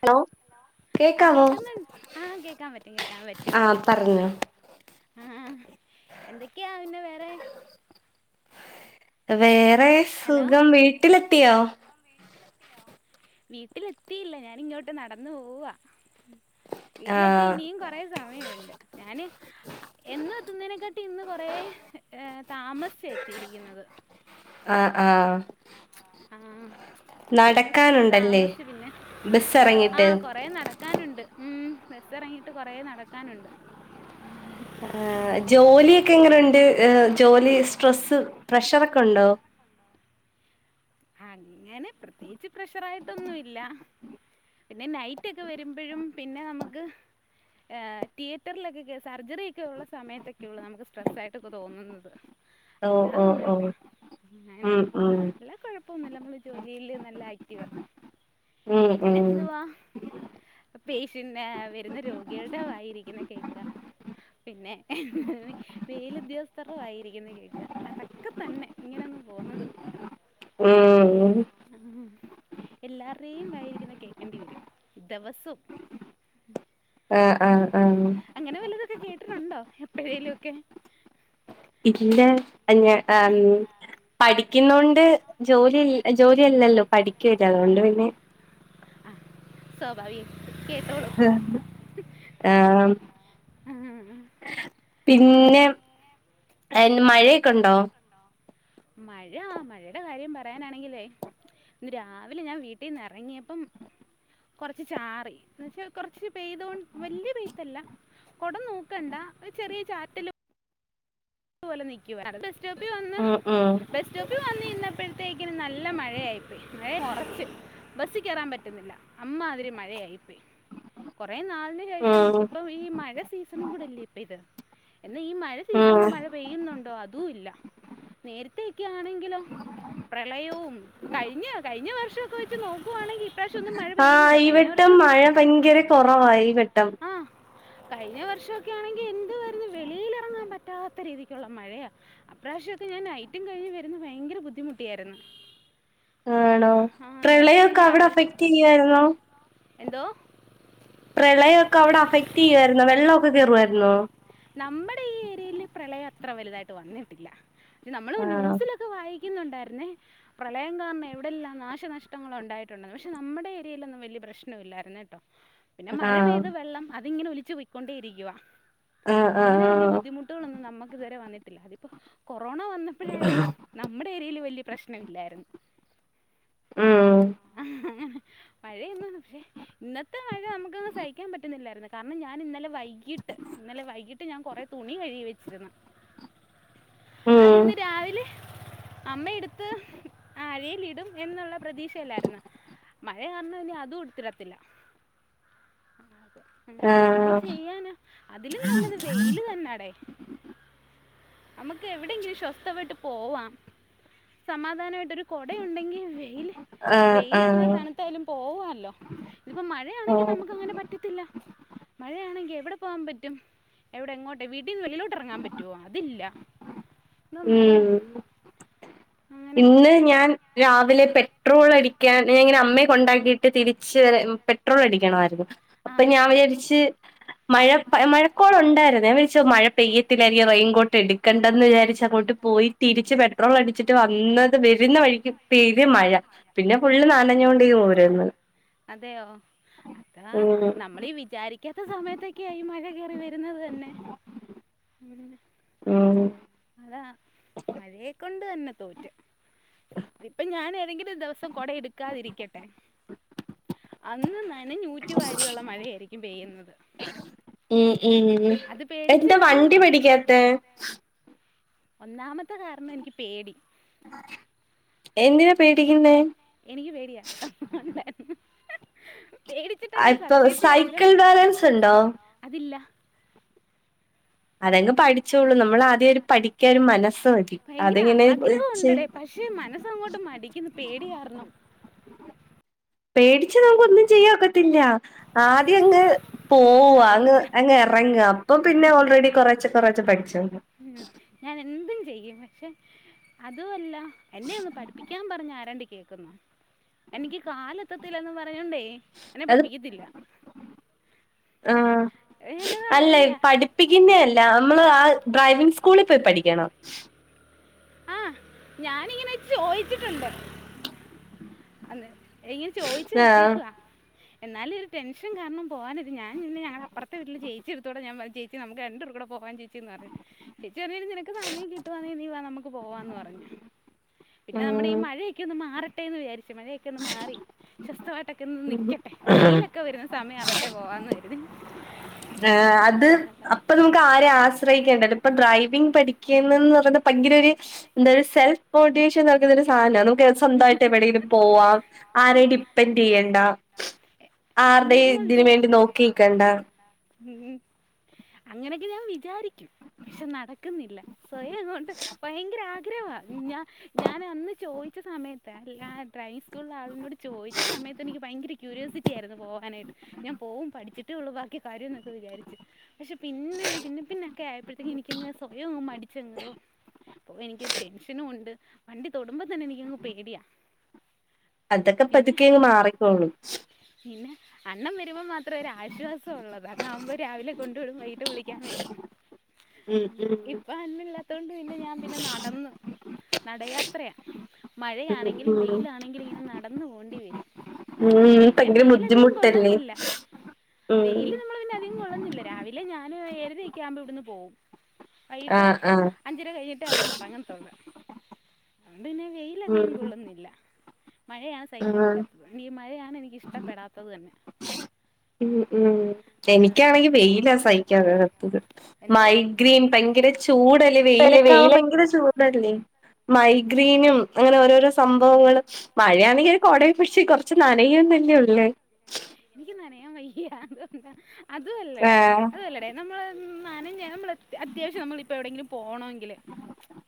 Hello ആ കേക്കാവോ കേക്കുന്നു ആ കേൾക്കാൻ പറ്റും കേക്കാൻ പറ്റും ആ പറഞ്ഞോ ആ എന്തൊക്കെയാ പിന്നെ വേറെ വേറെ ഹലോ സുഖം വീട്ടിലെത്തിയോ വീട്ടിലെത്തിയില്ല ഞാനിങ്ങോട്ട് നടന്നു പോവാ ആ വീട്ടിലെത്തി ഇനിയും കൊറെേ സമയമുണ്ട് ഞാന് എന്നും എത്തുന്നതിനെക്കാട്ടി ഇന്ന് കൊറെ ഏ താമസിച്ച എത്തിയിരിക്കുന്നത് ആ ആ ആ കൊറച്ച് നടക്കാനുണ്ടല്ലേ താമസിചു പിന്നെ ബസ് ആ ഇറങ്ങിട്ട് കൊറ നടക്കാനുണ്ട് ഉം ബസ്സ് ഇറങ്ങിട്ട് കൊറ നടക്കാനുണ്ട് ആ ജോലിയൊക്കെ എങ്ങനെുണ്ട് ജോലി സ്ട്രെസ്സ് പ്രഷർൊക്കെ ഉണ്ടോ അങ്ങനെ പ്രത്യേകിച്ച് പ്രഷറ ആയിട്ടൊന്നുംല്ല പിന്നെ നൈറ്റ് ഒക്കെ വരുമ്പോഴും പിന്നെ നമുക്ക് ആ തിയേറ്ററിലൊക്കെ സർജറിക്കെ ഉള്ള സമയത്തൊക്കെ ഉള്ളൂ നമുക്ക് സ്ട്രെസ് ആയിട്ട്ക്കെ തോന്നുന്നത് ഓ ഓ ഓ അല്ലാതൊന്നുംല്ല അങ്ങെ ഉം ഉം അല്ല കുഴപ്പ ഇപ്പൊന്ന നമ്മള് ജോലിയില് നല്ല ആക്റ്റീവാ ഉം പിന്നെ ഉം എന്തുവാ പേഷ്യന് വരുന്ന രോഗികളുടെ വായിരിക്കുന്ന കേക്കാ പിന്നെ മേലുദ്യോഗസ്ഥരുടെ വായിരിക്കുന്ന കേൾക്ക അതൊക്കെ തന്നെ ഇങ്ങനെ പോന്നത് ഉം എല്ലാവരുേയും ആയിരിക്കുന്ന കേൾക്കേണ്ടി വരും ദിവസവും ആ ആ ആ അങ്ങനെ വലുതൊക്കെ കേട്ടിട്ടുണ്ടോ എപ്പോഴേലും ഒക്കെ ഇല്ല അ പടി ഠിക്കുന്നൊണ്ട് ജോലി ജോലി അല്ലല്ലോ പഠിക്കുവല്ല അതുകൊണ്ട് പിന്നെ ആ സ്വഭാവിക കേ ആ ഉം അതാ പിന്നെ മഴയൊക്കെ ഉണ്ടോ മഴ ആ മഴയുടെ കാര്യം പറയാനാണെങ്കിലേ ഇന്ന് രാവിലെ ഞാൻ വീട്ടിൽന്ന് ഇറങ്ങിയപ്പം കൊറച്ച് ചാറി എന്ന വെച്ചാ കൊറച്ച് പെയ്തൊണ്ട് വലിയ പെയ്ത്തല്ല കൊടം നോക്കണ്ട ചെറിയ ചാറ്റിലും പലെ നിക്കുവായിരുന്ന ഉം ഉം ബസ് സ്റ്റോപ്പിൽ വന്ന് ഇന്നപ്പോഴത്തേക്കിന് നല്ല മഴയായി പോയി മഴയങ്ങ് ഉറച്ച് റ പറ്റുന്നുല്ല അമ്മതിരി മഴയയി പോയി [unintelligible] നാലിന് ശേഷം ഉം ഇപ്പൊ ഈ മഴ സീസണും കൂടെല്ലേ ഇപ്പൊ ഇത് എന്നാ ഈ മഴ ഉം സീസണില് മഴ പെയ്യുന്നുണ്ടോ അതും ഇല്ല നേരത്ത ക്കെയണെങ്കിലോ പ്രളയവും കഴിഞ്ഞ കഴിഞ്ഞ വർഷംക്കെ വെച്ച് നോക്കുവാണെങ്കിൽ ഇപ്രാവശ്യം ഒന്നും മഴ പെയ്യുന്നില്ല ആ് കഴിഞ്ഞ ഇവിട്ടം വർഷം മഴ ഭയങ്കര കുറ ആ കഴിഞ്ഞ വർഷംക്കെ ആണെങ്കിൽ എന്ത് വുന്ന വെളിൽ ഇറങ്ങാൻ പ പറ്റാത്ത രീതി ക്കുള്ള മഴയാ അപ്രാവശ്യക്ക ഞാൻ നൈറ്റും കഴിഞ്ഞ് വരുന്ന ഭയങ്കര ബുദ്ധിമുട്ടിയായിരുന്നു ആണോ ആ നൈറ്റ് പ്രളയമക്കെ കഴിഞ്ഞ് അവിടെ രാവിലെ അഫക്ട് ചെയ്യായിരുന്നോ എന്തോ പ്രളയൊക്കെ അവിടെ അഫക്ട് ചെയ്യുാരുന്നോ വെള്ളമൊക്കെ കേയറുവായിുന്ന നമ്മുടെ ഈ ഏരിയൽ പ്രളയം അത്ര വലുതായിട്ട് വന്നിട്ടില്ല നമ്മള് ആഹ് ന്യൂസിലൊക്കെ വായി പുന്നുണ്ടായിരുന്നേ പ്രളയം കാരണം എവിടെയെല്ലാം നാശനഷ്ടങ്ങള ഉണ്ടായിട്ടുണ്ടായിെന്ന് പക്ഷെ നമ്മുടെ ഏയയിലൽൊന്നും വലിയ പ്രശ്ന ഇല്ലായിരുന്ന കേട്ടോ പിന്നെ മഴ ആഹ് പെയ്ത വെള്ളം അതിങ്ങനെ ഒലിിച്ചച്ച് പോൊയിക്കൊണ്ടേ ഇരിക്കുവ ആഹ് അങ്ങനെ വലിയ ആഹ് ബുദ്ധിമുട്ടുകളൊന്നും നമ്മുക്ക് ഇതുവരെ വന്നിട്ടില്ല അതിപ്പോ കൊറോണ വന്നപ്പോഴായാലും നമ്മുടെ ഏരിയയില് വലിയ പ്രശ്നമില്ലായിരുന്നു ഉം ആ മഴയൊന്നാണ് പക്ഷെ ഇന്നത്തെ മഴ നമുക്ക്ന്ന് സഹിക്കാൻ പറ്റുന്നില്ലായിരുന്നു കാരണം ഞാൻ ഇന്നലെ വൈകിട്ട് ഇന്നലെ വൈകിട്ട് ഞാൻ കൊറെ തുണി കഴുകി വെച്ചിന്ന് ഉം അതിന്ന് രാവിലെ അമ്മ എടുത്ത് അരൽ ഇടും എന്നുള്ള പ്രതീക്ഷല്ലായിരുന്നു മഴ കാരണംനി അതും എടുത്തിടത്തില്ല അത അങ്ങനെ എന്തതു ആഹ് ചെയ്യാനോ അതിലും നല്ലത് വെയില് തന്നെടേ നമുക്ക് എവിടെയെങ്കിലും ശ്വസ്ഥതമായിട്ട് പോവാം സമാധാനമായിട്ടരു കൊട ഉണ്ടെങ്കിൽ വെൽ ആഹ് വെയില ഇന്ന് ആഹ് തനുത്തായാലും പോവല്ലോ ഇതിപ്പോ മഴയാണെങ്കി ഓഹ് നമുക്ക് അങ്ങനെ പറ്റത്തില്ല മഴയാണെങ്കിൽ എവിടെ പോകാൻ പറ്റും എവിടെ എങ്ങോട്ടെ വീട്ടീന്ന് വളിലോട്ട് ഇറങ്ങാൻ പറ്റുവോ അതില്ല എന്തോ മഴയാ ഉം അങ്ങനെ ഇന്ന് ഞാൻ രാവിലെ പെട്രോൾ അടിക്കാൻ ഞാൻ ഇങ്ങനെ അമ്മയെ കൊണ്ടാക്കിയിട്ട് തിരിച്ച് വ പെട്രോൾ അടിക്കണമായിരുന്നു ആ അപ്പൊ ഞാൻ വിചാരിച്ച് മഴ മഴക്കോളം ഉണ്ടായിരുന്നേ വിച്ച മഴ പെയ്യത്തിായിരിക്കാം റെയിൻകോട്ട് എടുക്കേണ്ടന്ന് വിചാരിച്ച അങ്ങോട്ട് പോയി തിരിച്ച് പെട്രോൾ അടിച്ചിട്ട് വന്നത് വരുന്ന വഴിക്ക് പെയ്യയ മഴ പിന്നെ ഫുള്ള് ആ നാലഞ്ഞ കൊണ്ടേും രന്ന് അതെയോ ഉ മിക്കത്ത സമയത്തൊക്കെയായിഈ മഴ കയറി വരുന്നത് തന്നെ ആഹ [unintelligible] അതാ മഴയെ കൊണ്ട് തന്നെ തോറ്റ ഇപ്പൊ ഞാൻ ഏതെങ്കിലും ദിവസം കൊട എടുക്കാതിരിക്കട്ടെ അന്ന്ന്നന്നെ നൂറ്റ വാരിയുള്ള മഴയായിരിക്കും പെയ്യുന്നത് ഉ ഉം അത് പേടിച്ച് എന്താ കാരണം വണ്ടി പിേടിക്കാത്ത ഒന്നാമത്തെ കാരണം എനിക്ക് പേടി എന്തിനതിനാ പേടിക്കുന്ന എനിക്ക് പേടിയാ പേടിച്ചിട്ടാ ഞാൻ ഇപ്പൊ സത്യത്തി ആയാലും സൈക്കിൾ ബാലൻസ് ഉണ്ടോ അതില്ല അതെങ്ങ് പഠിച്ചോളു നമ്മൾ ആദ്യംര് പഠിക്കാ ഒരു മനസ്സ മതി ഭയങ്കര അതെങ്ങനെ ആഗ്രഹം ഉണ്ടടേ പക്ഷേ മനസ്സങ്ങോട്ട് മടിക്കുന്ന പേട കാരണം പേടച്ച് നമുക്ക് ഒന്നും ചെയ്യക്കത്തില്ല ആദ്യ അങ് പോവ അതാ അങ്ങ് പേടിച്ച അങ്ങ് ഇറങ്ങുവ അപ്പൊ പിന്നെ ഓൾറെഡി കൊറച്ച കൊറച്ച പഠിച്ചണ്ട് ഉം. ഞാൻ എന്തും ചെയ്യും പക്ഷെ അതുമല്ല എന്നെ ഒന്ന് പഠിപ്പിക്കാൻ പറഞ്ഞഞ് ആരാണ്ട് കേൾക്കുന്നു എനിക്ക് കാലത്തത്തിന്ന് പറഞ്ഞോണ്ടേ എന്നെ പഠിപ്പിക്കത്തില്ല ആ എന്നോട് അല്ല പറയുന്നയാ പഠിപ്പിക്കുന്നേ അല്ല നമ്മള് ആ ഡ്രൈവിങ് സ്കൂളിൽ പോയി പഠിക്കണംോ ആഹ ഞാനിങ്ങനെ ചോദിച്ചിട്ടുണ്ട് അ എങ്ങനെ ചോയിിച്ചു ആഹ് വെച്ചേക്കവാ എന്നാല ഒരു ടെൻഷ കാരണം പോകാനത് ഞൻ ഞൾ അപ്പറത്തെ വീട്ട ജയിച്ച എടുത്തൂടെ ഞാ ജയിച്ച നമക്ക് രണ്ടൂ കൂ പോകാൻ ജ ചച്ചി പറ ചേച്ചി പറ നിനക്ക് സമയം കിട്ടുവാന്നീ വ നമുക്ക് പോവാന്ന് പറഞ്ഞു പിന്നെ നമ്മുടെ ഈ ഉം മഴയൊക്കെ ഒന്ന് മാറെ പച്ചിമഴയൊക്കെ ഒന്ന് മാറി ശവസ്തമായിട്ടൊക്കെ ഒന്ന് നിക്കട്ടെ ആഹ് വെയിലൊക്കെ വരുന്ന സമയം ആവട്ടെ പോവാന്ന് വരുന്നു അത് അപ്പൊ നമുക്ക് ആര ആശ്രയിക്കേണ്ടല്ല ഇപ്പൊ ഡ്രൈവിങ് പഠിക്കന്ന് പറഞ്ഞ ഭയങ്കര ഒരു എന്ത സെൽഫ് മോട്ടിവേഷൻ നുന്ന ഒരു സാധനണ സ്വന്തമായിട്ട് എവിടെങ്കിലും പോവാം ആരേ ഡിപ്പെെൻഡ് ചെയ്യണ്ട ആരുടെ അങ്ങനെയൊക്കെ എന്തിനു വേണ്ടി നോക്കി നിക്കണ്ട ഉ അങ്ങനെയൊക്കെ ഞാൻ വിചാരിക്ക പക്ഷെ നടക്കുന്നില്ല സ്വയംണ്ട് ഭയങ്കര ആഗ്രഹവാ അത അന്ന് ചോദിച്ച സമയത്ത് അല്ല ഡ്രൈസ് സ്ക്ക ഉ ആളിനോട് ചോദിച്ച സമയത്ത് എനിക്ക് ഭയങ്കരക്യരിയോസിറ്റി ആയിരുന്നു പോകാനായിട്ട് ഞാൻ പോകവും പഠ വച്ചിട്ടേള്ളൂ ബാക്കി കാര്യം എന്നൊക്കെ വിചാരിച്ച് പക്ഷ പിന്നെ പിന്നെ പിന്നെ ഒക്കെ ആയപ്പോഴത്തേക്കും എനിക്ക സ്വയം മ അ എനിക്ക് ടെൻഷനും ഉണ്ട് വണ്ടി തൊടുമ്പോ തന്നെക്ക് എങ്ങ പോയി കിടിയ അതൊക്കെ പതുക്കെങ്ങ് മാറിക്കോളൂ പിന്നെ അണ്ണൻ വരുമ്പോൾ മാത്രമേ ഒരു ആശ്വാസം ഉള്ളത് അത് ആവുമ്പോൾ രാവിലെ കൊണ്ട വിടും വൈകിട്ട് വിളിക്കാൻ വരും ഉം ഉം ഇപ്പൊ അന്നില്ലാത്തൊണ്ട് പിന്നെ ഞാൻ പിന്നെ നടന്നു നടയാത്രയാ ഉം മഴയാണെങ്കിലും ഉം വെയിലാണെങ്കിലും ഇങ്ങനെ നടന്ന പോണ്ടി വരും ഉം പിന്നെ ഭയങ്കര ബുദ്ധിമുട്ടല്ലേ ഉം വെയില് നമ്മള് പിന്നെ അധികം കൊള്ളന്നില്ല രാവിലെ ഞാന്ൻ ഏഴര ആുമ്പോ ഇവിടുന്ന് പോകവും വൈകിട്ട് ആഹ് ആഹ് അഞ്ചര കഴിഞ്ഞിട്ട് അവിടെന്ന് ഇറങ്ങത്തുള്ളൂ അതിനെ വെയിലധികം ഉം കൊള്ളുന്നില്ല മഴയാണ് സഹിക്കാൻ ആഹ് പറ്റാത്തത് ഈ മഴയാണ് എനിക്കിഷ്ടപ്പെടാത്തത് തന്നെ ഉ ഉം അതാണ് എനിക്കാണെങ്കി വെയില സഹിക്കാൻത്തത് എന്തോ മൈഗ്രീൻ ഭ ഭയങ്കര ചൂടല്ലേ വെയിലൊക്കെ ആ വെയിൽ ഭയങ്കര ചൂ ല്ല മൈഗ്രെനും അങ്ങനെ ഓരോരോ സംഭവങ്ങളും മഴ എനിക്ക ഒരു കോട പക്ഷി കുറച്ച് നനയന്ന തന്നെയ ഉള്ളേ എനിക്ക് നനയാൻ വയ്യ അത എന്താ അതല്ല ആഹ് അതല്ലടേ നമ്മള് മ നാന ഞാ നമ്മൾ അത്യാവശ്യം നമ്മിപ്പോൾ എവിടെെങ്കിലും പോവും പോണെങ്കില്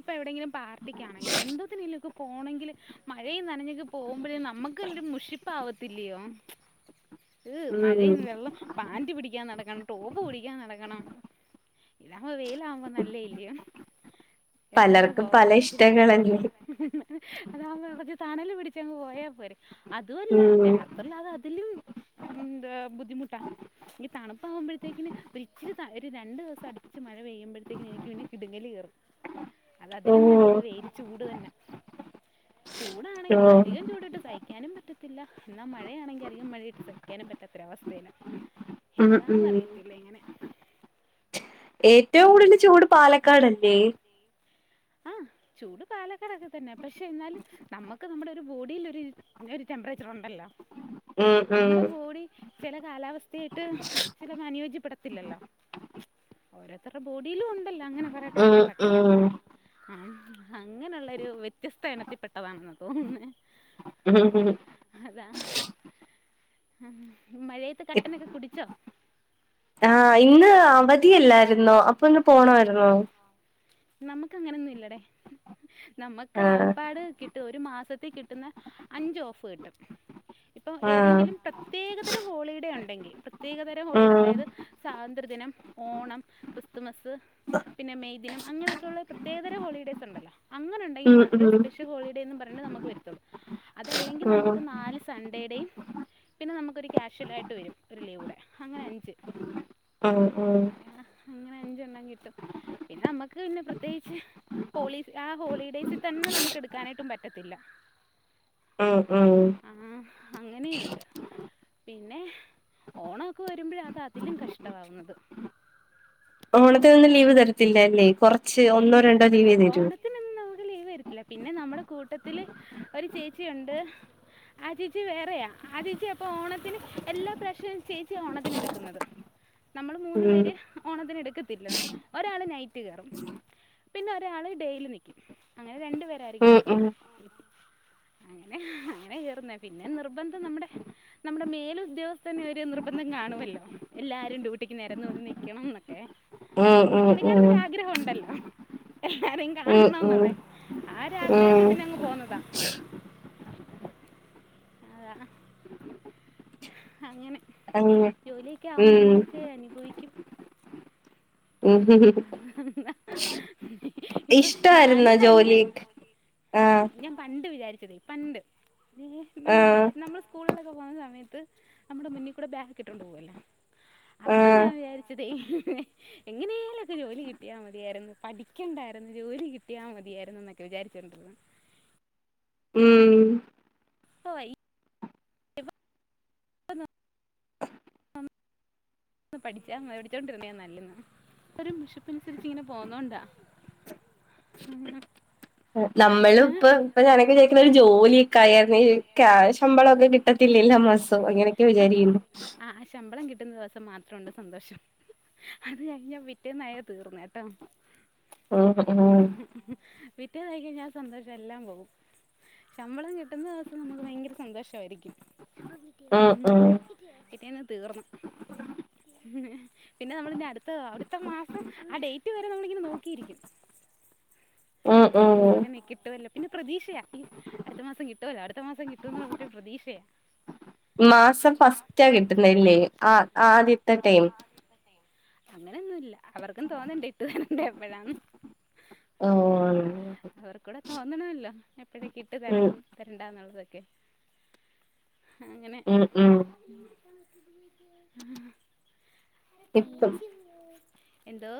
ഇപ്പൊ എവിടെെങ്കിലും പാർട്ടിക്കാണെങ്കിൽ എന്തോനിലും പോണെങ്കില് മഴയും നനഞ്ഞക്ക് പോകുമ്പോഴേ നമുക്ക് എ മുഷിപ്പ ആാവത്തില്ലയോ ഏ് ഉം മഴന്ന് വെള്ളം പാന്റ് പിടിക്കാൻ നടക്കണം ടോപ്പ് പിടിക്കാൻ നടക്കണം ഓ വെയില ആവുമ്പോ നല്ല ഇല് ങ് പലർക്കും പല പോവാല്ലേ ഇച്ചിരി ഇഷ്ടങ്ങളല്ലേ അതാകുമ്പോ ഇച്ചിരി തണലും പിടിച്ചു ച്ച ങ് പോയാൽ പോരെ അതുമല്ല ഉം രാത്രില്ല അത് അതിലും ഉന്ത ബുദ്ധിമുട്ടാ എനി തണുപ്പാവകുമ്പഴേക്ക് ഒരു ഇച്ചിരി ഒരു രണ്ട് ദിവസം അടുപ്പച്ച് മഴ പെയ്യുമ്പഴേക്കക്ക് എനിക്ക് പിന്നെ കിടുങ്ങങ്കലി അത് അതിലും ഓഹ് നല്ലത് വേര് ചൂട് തന്നെ ചൂടാണെങ്കിൽ ഓഹ് അധികം ചൂടിട്ട് തയ്ക്കാനും പറ്റത്തില്ല എന്നാൽ മഴയാണെങ്കിൽ അധികം മഴ ് സഹിക്കാനും പറ്റാത്തൊരവസ്ഥയിയില ഉം ഉം എന്താെന്ന്റിയത്തില്ല ഇങ്ങനെ ഏറ്റവും ഉം കൂടുതൽ ചൂട് പാലക്കാട്ല്ലേ ഉ ആ ചൂട് പാലക്കാടൊക്കെ തന്നെ പക്ഷെ എന്നാലും നമുക്ക് നമ്മുടെ ഒരു ബോഡിൽ ഒരു ഒരു ടെമ്പറിച്ചർ അല്ല ഉം ഉം നമ്മുടെ ബോഡി ചില കാലാവസ്ഥയായിട്ട് ചില അനുയോജ്യപ്പെടത്തില്ലല്ലോ ഓരോരുത്തരുടെ ബോഡിയിലും ഉണ്ടല്ലോ അങ്ങനെ കൊറെേ ഉം കാര്യങ്ങളൊക്കെ ഉം ആ അങ്ങനെയുള്ളരു വ്യത്യസ്ത ഇനത്തിൽപ്പെെട്ടതാണെന്ന് തോന്നേ ഉ ഉം ഴത്ത് കട്ടനൊക്കെ കുടിച്ചോ ആഹ ഇന്ന് അവധിയല്ലായിന്നോ അപ്പൊ ഒന്ന് പോണമായിുന്നോ നമക്ക് അങ്ങനെൊന്നും ഇല്ലടേ നമ്മുക്ക് ആഹ് ആപ്പാട് കിട്ട ഒരു മാസ ത്തി കിട്ടുന്ന അഞ്ച് ഓഫ് കിട്ടും ഇപ്പം ആഹ് ഏതെങ്കിലും പ്രത്യേക തരം ഹോളിഡേ ഉണ്ടെങ്കി പ്രത്യേകതരം ഹോളിഡെ ഉം അതായത് സ്വതന്ത്ര ദിനം, ഓണം, ക്രിസ് ത് പിന്നെ മെയ് ദിനം അങ്ങനൊക്കെയുള്ള പ്രത്യേകരം ഹോളിഡേയ്സൊണ്ടല്ലോ അങ്ങനെയുണ്ടെങ്കി ഉം ഉം മാത്രെ സ്പെഷ്യൽ ഹോളിഡേന്നും പറഞ്ഞ് നമക്ക് വരുത്തുള്ളൂ അതല്ലെങ്കി ഉം നമുക്ക് നാല് സൺഡേടെയും പിന്നെ നമുക്കൊരു ക്യാഷ്യുവൽ ആയിട്ട് വരും ഒരു ലീവൂടെ അങ്ങനെ അഞ്ച് ഉം ഉം അങ്ങനെ അഞ്ചെണ്ണം കിട്ടും പിന്നെ നമ്മക്ക് പിന്നെ പ്ര - പ്രത്യേകിച്ച് ഹോളി ആ ഹോളിഡേയ്സിൽ തന്നെ നമുക്ക് എടുക്കാനായിട്ടും പറ്റത്തില്ല ആഹ് ആഹ് ആ, അങ്ങനെയുണ്ട് പിന്നെ ഓണമൊക്കെ വരുമ്പഴ അത് അതിലും കഷ്ടമാവുന്നത് ഓണത്തിനൊന്നും ലീവ് തരത്തില്ലല്ലേ കൊറച്ച് ഒന്നോ രണ്ടോ ലീവേ തരൂ ഓണത്തിന് ഒന്നും നമുക്ക് ലീവ് തരുത്തില്ല പിന്നെ- നമ്മുടെ കൂട്ടത്തിൽ ഒരു ചേച്ചിയുണ്ട് ആ ചേച്ചി വേറെയാ ആ ചേച്ചി അപ്പൊ ഓണത്തിന് എല്ലാ പ്രാവശ്യയും ചേച്ചിയാ ഓണത്തിന് എടുക്കുന്നത് നമ്മള് മൂന്നു ഉം പേര് ഓണത്തിന് എടുക്കത്തില്ല ഒരാള് നൈറ്റ്- പിന്നെ ഒരാള് ഡെയിലി നിൽക്കും അങ്ങനെ രണ്ടു പേരായിരിക്കും ഉം കേറുന്നെ ഉം അങ്ങനെ അങ്ങനെ കേറുന്നേ പിന്നെ നിർബന്ധം നമ്മുടെ- നമ്മുടെ മേൽ ഉദ്യോഗസ്ഥന് ഒരു നിർബന്ധം കാണുമല്ലോ എല്ലാരും ഡ്യൂട്ടിക്ക് നേരന്ന് വന്ന് നിക്കണം എന്നൊക്കെ ഉം ഉം ഉം ഉം എല്ലാരേും ഉം കാണണയെന്നുള്ളെ ആ ഒരു ആഗ്രഹത്തി ഉം പിന്നെ അങ്ങ് പോന്നതാ [inaudible] ആ ഹ് ഹ അങ്ങനെ അങ്ങനെ ജോലിയൊക്കെ ആകുമ്പോ ഉം ഇങ്ങനെയൊക്കെ അനുഭവിക്കും ഉം ഉം ഹ് ഹു ഇപ്പൊ ഞാനും പണ്ട് ജോലി ആഹ് ഞാൻ പണ്ട് വിചാരി- പണ്ട് നമ്മെ ആഹ് നമ്മള് സ്കൂളിലൊക്കെ പോകുന്ന സമയത്ത് നമ്മുടെ മുന്നിക്കൂടെ ബാഗ് ഒക്കെ ഇട്ടോണ്ട് പോവല്ലോ അപ്പം ആഹ് ഞാൻ വിചാരിച്ചതെ എങ്ങനെയെ - വല്ലോക്കെ ജോലി കിട്ടിയാൽ മതിയായിരുന്നു പഠിക്കേണ്ടായിരുന്നു ജോലി കിട്ടിയാൽ മതിയായിരുന്നു എന്നൊക്കെ വിചാരിച്ചൊണ്ടിരുന്നു [inaudible] ഉം ഇപ്പൊ വൈയ് ഒന് പഠിച്ചാ പടിച്ചോണ്ടിരുന്ന നല്ലെന്ന് ഇരും ബിഷപ്പ് അനുസരിച്ച് ഇങ്ങനെ പോന്നോണ്ടാ നമ്മള ഏ? ഇപ്പ ഇപ്പഴാണങ്കി വിചാരിക്ക്ണ ഒരു ജോലിയൊക്കെയാ ആയായിരുന്നെങ്കി ക്യാ ശമ്പളമൊക്കെ കിട്ട പില്ലല്ല എല്ലാ മാസോം അങ്ങനെയൊക്കെ വിചാരിക്കണ്ട് കിട്ട്ന്ന ദിവസം മാത്രുണ്ട് സന്തോഷം അത് കിഞ്ഞാ പിറ്റേന്നായ തീർന്നേട്ടോ ആഹ് ഉംഹ് പിറ്റേന്നായ്ക്കഴിഞ്ഞാൻ സന്തോഷം എല്ലാം പോകും ശമ്പളം കിട്ടുന്ന ദിവസം നമുക്ക് ഭയങ്കര സന്തോഷമായിരിക്കും ഉം ഉം പിറ്റേന്ന് തീർന്ന് പിന്നെ നമ്മളിന്റെ അടുത്ത അടുത്ത മാസം ആ ഡേറ്റ് വരെ നമ്മളിങ്ങനെ നോക്കിയിരിക്കും ഉം നി ഉം ഒടനെ കിട്ട്വല്ല പിന്നെ പ്രതീക്ഷയാ അടുത്ത മാസം കിട്ടുവല്ലോ അടുത്ത മാസം കിട്ടുംന്ന് പറഞ്ഞിട്ട് പ്രതീക്ഷയാ മാസം ഫസ്റ്റാ കിട്ടുന്നല്ലേ ആ ആദ്യത്തെ ടൈം അതോന്നുംല്ല അവർക്കും തോന്നണ്ടേ ഇട്ട് തരേണ്ട എപ്പഴാന്ന് ഉം അവർ കൂടെ തോന്നണമല്ലോ എപ്പോഴൊക ഇട്ട് ഉം തരണം തരണ്ട എന്നുള്ളതൊക്കെ അങ്ങനെ ഉം ഉം എന്തോ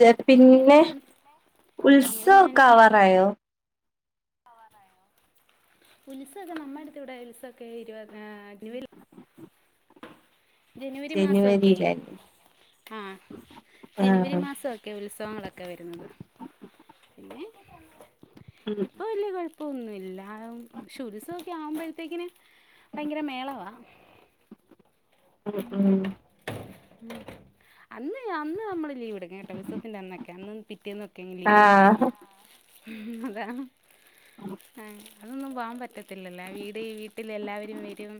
കേ അങ്ങനെ പിന്നെ ഞാൻ ഉത്സവൊക്കെ ആവാറായോ ആവാറായോ ഉത്സവക്കെ നമ്മടുത്ത് ഇവിടെ ഉത്സവൊക്കെ ഇരുപത് അഗ്നി വേ ജനുവരിയിലല്ലെ ആഹ് ജനുവരി മാസൊക്കെ ഉത്സവങ്ങളൊക്കെ വര്ന്നത് പിന്നെ ഉം ഇപ്പൊ വല്യ കൊഴപ്പൊന്നുല്ലാ ഷൊൽസ ആവുമ്പഴത്തേക്കിന്. ഭയങ്കര മേളവ ഉ ഉം അന്ന് അന്ന് നമ്മള് ലീവ് എടുക്കും കേട്ടൊ. ഉൽസസവത്തിന്റെ അന്നൊക്കെ. അന്നും പിറ്റേന്നൊ [unintelligible] ൽ ലീവ് എടുക്കും ആഹ് ഉം അതാണ് ആഹ് അതൊന്നും പോവാ പറ്റത്തില്ലല്ലെ. വീട് വീട്ടിൽ എല്ലാവരും വരും